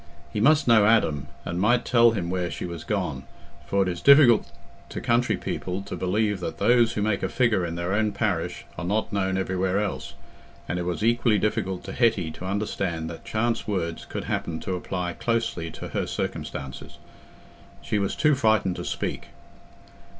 He must know Adam, and might tell him where she was gone, for it is difficult to country people to believe that those who make a figure in their own parish are not known everywhere else, and it was equally difficult to Hetty to understand that chance words could happen to apply closely to her circumstances. She was too frightened to speak.